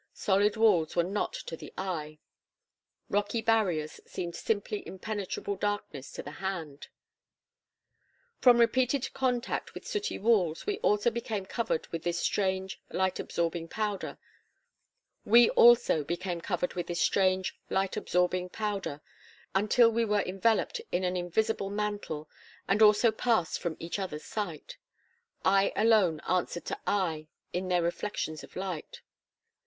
Solid walls were not to the eye; rocky barriers seemed simply impenetrable darkness to the hand. "From repeated contact with sooty walls, we also became covered with this strange, light absorbing powder, until we were enveloped in an invisible mantle, and also passed from each other's sight. Eye alone answered to eye in their reflections of light.